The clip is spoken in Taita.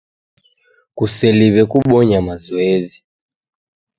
Kuseliw'e kubonya mazoezi.